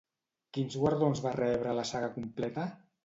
Quins guardons va rebre la saga completa?